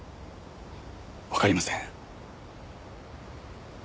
わかりません。